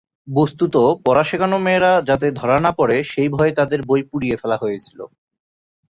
বস্তুত, পড়া শেখানো মেয়েরা যাতে ধরা না পরে সেই ভয়ে তাদের বই পুড়িয়ে ফেলা হয়েছিল।